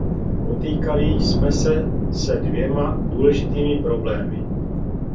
Potýkali jsme se se dvěma důležitými problémy.